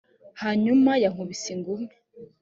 hanyuma yankubise ingumi